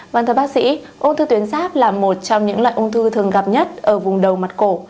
vâng thưa bác sĩ ung thư tuyến sáp là một trong những loại ung thư thường gặp nhất ở vùng đầu mặt cổ